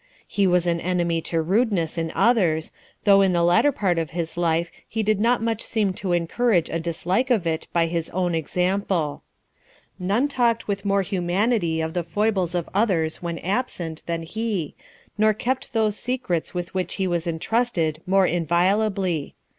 He was an enemy to rudeness in others, though in the latter part of his life he did not much seem to encourage a dislike of it by his own example. None talked with more humanity of the foibles of others, when absent, than he, nor kept those secrets with which he was entrusted more inviolably.